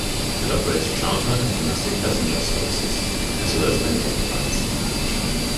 It operates charter and domestic passenger services, as well as medivac flights.